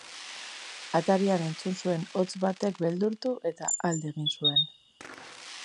Atarian entzun zuen hots batek beldurtu eta alde egin zuen.